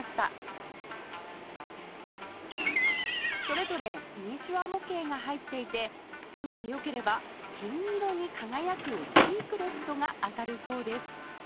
それぞれミニチュア模型が入っていて運が良ければ金色に輝くシークレットが当たるそうです